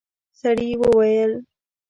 سړي وويل: